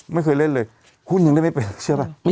ไม่เคยเล่นเลยหุ้นยังได้ไม่ไปเชื่อป่ะ